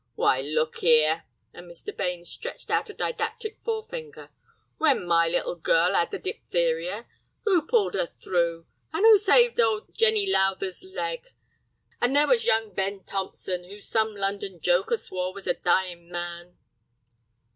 Why, look 'ere," and Mr. Bains stretched out a didactic forefinger, "when my little girl 'ad the diphtheria, who pulled 'er through? And who saved old Jenny Lowther's leg? And there was young Ben Thompson, who some London joker swore was a dyin' man!"